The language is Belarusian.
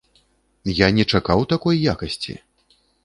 Я не чакаў такой якасці!